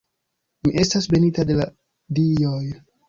Mi estas benita de la dioj.